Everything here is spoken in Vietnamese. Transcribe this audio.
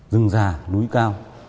rừng già núi cao